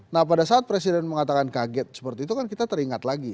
nah pada saat presiden mengatakan kaget seperti itu kan kita teringat lagi